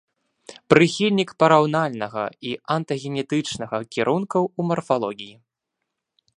Прыхільнік параўнальнага і антагенетычнага кірункаў у марфалогіі.